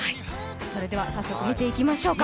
それでは早速、見ていきましょうか。